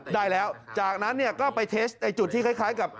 ได้แล้วจากนั้นเนี่ยก็ไปเทสต์ในจุดที่คล้ายกับ